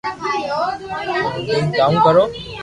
رودين ڪاو ڪرو